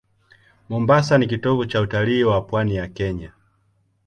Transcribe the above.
Mombasa ni kitovu cha utalii wa pwani ya Kenya.